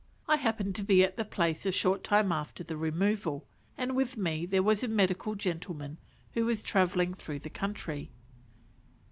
I happened to be at the place a short time after the removal, and with me there was a medical gentleman who was travelling through the country.